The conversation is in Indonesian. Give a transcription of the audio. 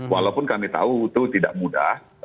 walaupun kami tahu itu tidak mudah